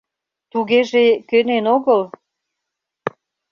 Тугеже, кӧнен огыл?